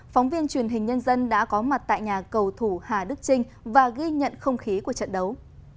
phóng viên truyền hình nhân dân đã có mặt tại nhà cầu thủ hà đức trinh và ghi nhận không khí của trận đấu